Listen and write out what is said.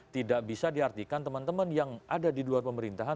tidak bisa diartikan teman teman yang ada di luar pemerintahan